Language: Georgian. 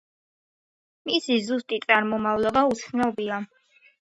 მისი ზუსტი წარმომავლობა უცნობია.